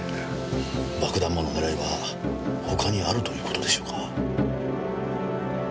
爆弾魔の狙いは他にあるという事でしょうか？